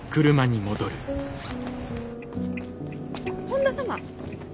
本田様。